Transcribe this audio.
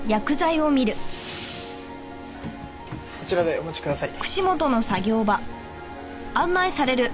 こちらでお待ちください。